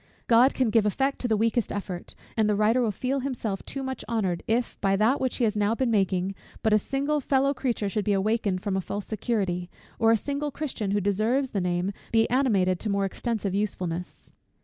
God can give effect to the weakest effort; and the writer will feel himself too much honoured, if by that which he has now been making, but a single fellow creature should be awakened from a false security, or a single Christian, who deserves the name, be animated to more extensive usefulness.